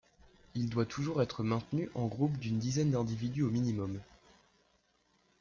Il doit être toujours être maintenu en groupe d'une dizaine d'individus au minimum.